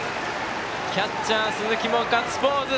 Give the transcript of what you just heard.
キャッチャー鈴木もガッツポーズ。